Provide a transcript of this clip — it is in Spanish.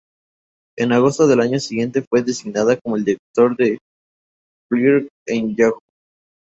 En agosto del año siguiente fue designado como director de Flickr en Yahoo!.